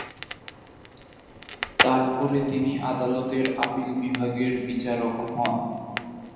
তারপরে তিনি আদালতের আপিল বিভাগের বিচারক হন।